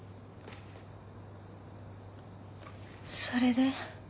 それで？